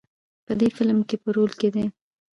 په دې فیلم کې په رول کې دی.